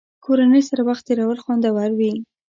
کورنۍ سره وخت تېرول خوندور وي.